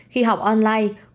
khi học online